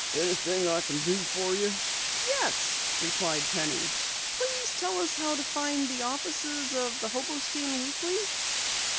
"Anything I can do for you?" "Yes," replied Penny. "Please tell us how to find the offices of the Hobostein Weekly."